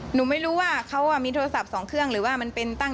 หนูไม่รู้ว่าเขามีโทรศัพท์สองเครื่องหรือว่ามันเป็นตั้ง